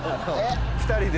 ２人で。